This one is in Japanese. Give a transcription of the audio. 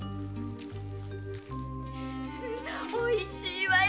おいしいわよ